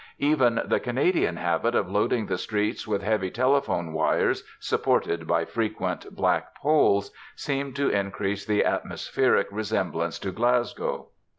Even the Canadian habit of loading the streets with heavy telephone wires, supported by frequent black poles, seemed to increase the atmospheric resemblance to Glasgow.